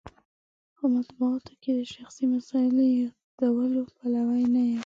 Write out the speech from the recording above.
په مطبوعاتو کې د شخصي مسایلو یادولو پلوی نه یم.